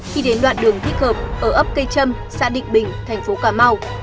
khi đến đoạn đường thích hợp ở ấp cây trâm xã định bình thành phố cà mau